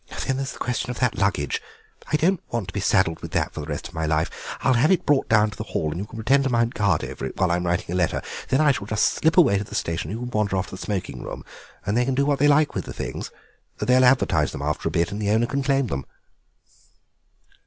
Then there is the question of that luggage: I don't want to be saddled with that for the rest of my life. I'll have it brought down to the hall and you can pretend to mount guard over it while I'm writing a letter. Then I shall just slip away to the station, and you can wander off to the smoking room, and they can do what they like with the things. They'll advertise them after a bit and the owner can claim them."